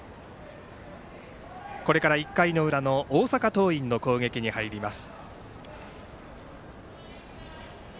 これから１回の裏の大阪桐蔭の攻撃に入ります。